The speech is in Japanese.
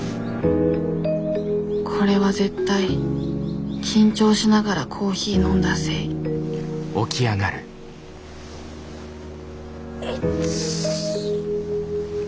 これは絶対緊張しながらコーヒー飲んだせいいっつ。